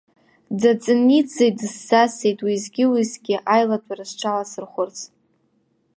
Ӡаҵениӡе дысзасит уеизгьы-уеизгьы аилатәара сҽаласырхәырц.